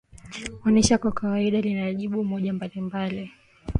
onesho kwa kawaida linajibu hoja mbalimbali